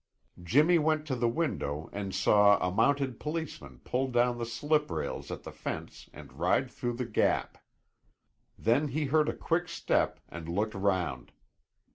Jimmy went to the window and saw a mounted policeman pull down the slip rails at the fence and ride through the gap. Then he heard a quick step and looked round.